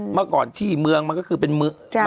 เมื่อก่อนที่เมืองมันก็คือเป็นเมือง